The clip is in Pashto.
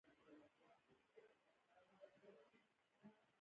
الله یې په ګور کې نور کړي.